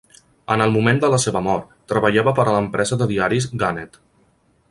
En el moment de la seva mort, treballava per a l'empresa de diaris Gannett.